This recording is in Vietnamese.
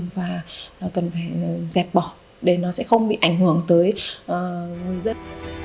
và cần phải dẹp bỏ để nó sẽ không bị ảnh hưởng tới người dân